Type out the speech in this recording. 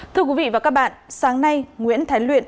thưa quý vị và các bạn sáng nay nguyễn thái luyện